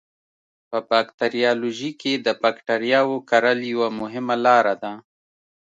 په باکتریالوژي کې د بکټریاوو کرل یوه مهمه لاره ده.